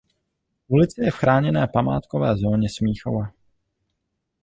Ulice je v chráněné památkové zóně Smíchova.